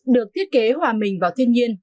được thiết kế hòa mình vào thiên nhiên